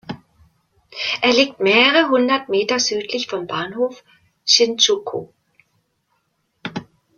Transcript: Er liegt mehrere hundert Meter südlich vom Bahnhof Shinjuku.